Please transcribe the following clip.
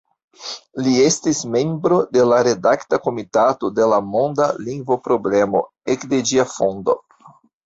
Li estis membro de la redakta komitato de La Monda Lingvo-Problemo ekde ĝia fondo.